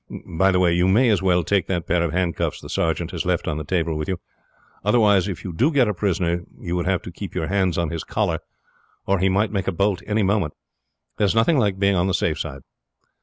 By the way, you may as well take that pair of handcuffs the sergeant has left on the table with you, otherwise if you do get a prisoner you would have to keep your hands on his collar, or he might make a bolt any moment. There is nothing like being on the safe side.